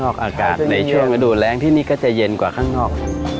ออกอากาศในช่วงฤดูแรงที่นี่ก็จะเย็นกว่าข้างนอก